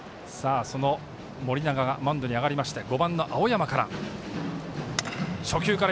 盛永がマウンドに上がりまして５番、青山から。